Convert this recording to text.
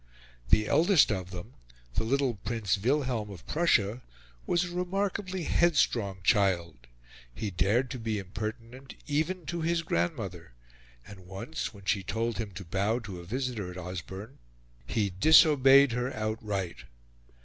The eldest of them, the little Prince Wilhelm of Prussia, was a remarkably headstrong child; he dared to be impertinent even to his grandmother; and once, when she told him to bow to a visitor at Osborne, he disobeyed her outright.